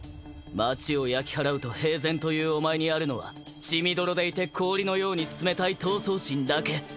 町を焼き払うと平然と言うお前にあるのは血みどろでいて氷のように冷たい闘争心だけ。